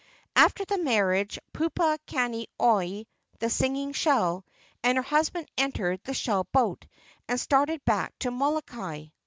After the marriage, Pupu kani oi (the singing shell) and her husband entered the shell boat, and started back to Molokai.